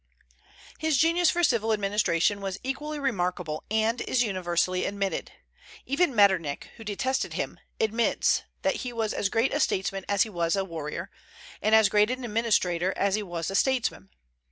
His genius for civil administration was equally remarkable, and is universally admitted. Even Metternich, who detested him, admits that "he was as great as a statesman as he was as a warrior, and as great as an administrator as he was as a statesman."